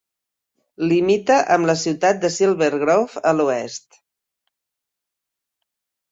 Limita amb la ciutat de Silver Grove a l'oest.